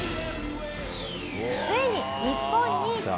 ついに日本に帰還！